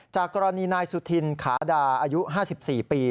จากกรณีนายสุธินขาดาอายุ๕๔ปี